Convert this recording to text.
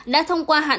đã thông qua hạn sử dụng